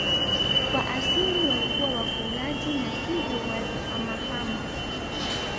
Kwa asili walikuwa wafugaji na hivyo walihamahama